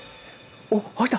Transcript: おっ開いた！